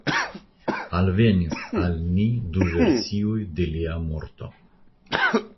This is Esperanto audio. Alvenis al ni du versioj de lia morto.